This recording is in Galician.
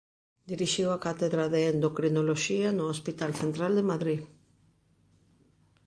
Dirixiu a cátedra de endocrinoloxía no Hospital Central de Madrid.